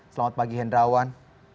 selamat pagi hendrawan